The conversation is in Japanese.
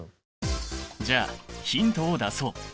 じゃあヒントを出そう！